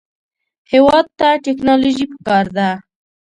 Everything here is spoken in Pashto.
هېواد ته ټیکنالوژي پکار ده